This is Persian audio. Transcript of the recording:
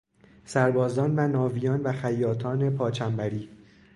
سربازان و ناویان و خیاطان پا چنبری